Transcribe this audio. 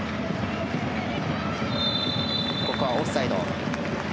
ここはオフサイド。